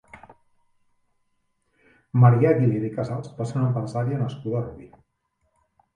Maria Aguilera i Casals va ser una empresària nascuda a Rubí.